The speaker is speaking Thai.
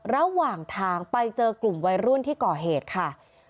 ระหว่างทางไปเจอกลุ่มวัยรุ่นที่ก่อเหตุค่ะ